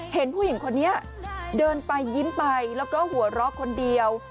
เห็นผู้หญิงคนนี้เดินไปยิ้มไปแล้วก็หัวเราะคนเดียว